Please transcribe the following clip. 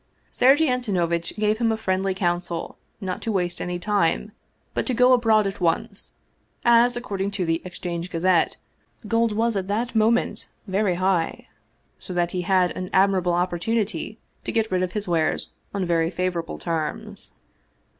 Sergei Antonovitch gave him a friendly counsel not to waste any time, but to go abroad at once, as, according to the Exchange Gazette, gold was at that moment very high, so that he had an admirable opportunity to get rid of his wares on very favorable terms.